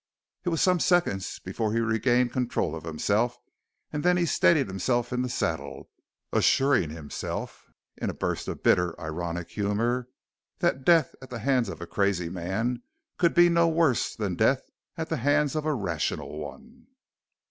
It was some seconds before he regained control of himself, and then he steadied himself in the saddle, assuring himself in a burst of bitter, ironic humor that death at the hands of a crazy man could be no worse than death at the hands of a rational one.